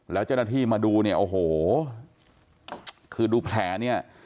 แล้วเจ้าหน้าที่มาดูเนี่ยโอ้โหคือดูแผลเนี่ย